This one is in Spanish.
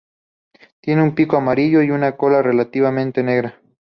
Tiene un pico amarillento y una cola relativamente larga.